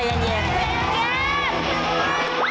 อย่างน้ำ